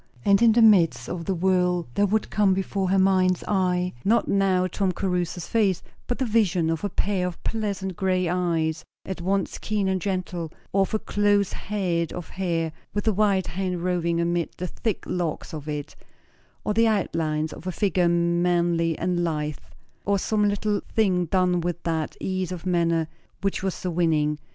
And in the midst of the whirl there would come before her mind's eye, not now Tom Caruthers' face, but the vision of a pair of pleasant grey eyes at once keen and gentle; or of a close head of hair with a white hand roving amid the thick locks of it; or the outlines of a figure manly and lithe; or some little thing done with that ease of manner which was so winning.